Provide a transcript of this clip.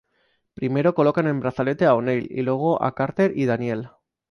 Primero colocan un brazalete a O'Neill y luego a Carter y Daniel.